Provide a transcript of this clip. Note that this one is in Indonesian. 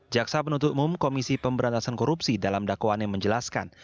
jaksa penutup mum komisi pemberantasan korupsi dalam dakwaan yang menjelaskan